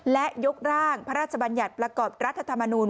และยกร่างพระราชบัญญัติประกอบรัฐธรรมนูล